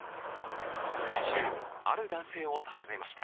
先週、ある男性を訪ねました。